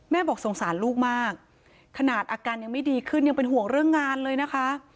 บอกสงสารลูกมากขนาดอาการยังไม่ดีขึ้นยังเป็นห่วงเรื่องงานเลยนะคะ